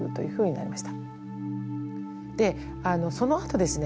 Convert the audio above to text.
そのあとですね